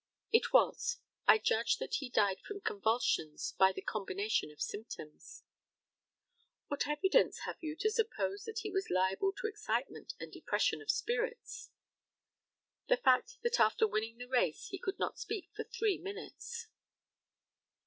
It was. I judge that he died from convulsions by the combination of symptoms. What evidence have you to suppose that he was liable to excitement and depression of spirits? The fact that after winning the race he could not speak for three minutes.